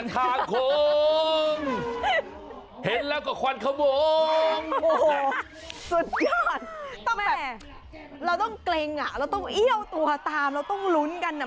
ต้องแบบเราต้องเกร็งอ่ะเราต้องเอี้ยวตัวตามเราต้องลุ้นกันอ่ะ